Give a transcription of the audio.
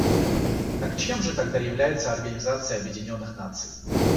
Так чем же тогда является Организация Объединенных Наций?